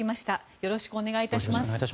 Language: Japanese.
よろしくお願いします。